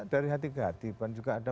dari hati ke hati dan juga ada